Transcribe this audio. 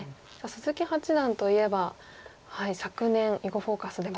鈴木八段といえば昨年「囲碁フォーカス」でも。